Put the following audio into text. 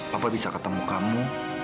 papa bisa ketemu kamu